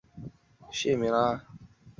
北辰东路将设置隧道南延至奥体商务区。